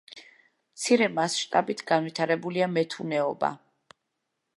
მცირე მასშტაბით განვითარებულია მეთუნეობა.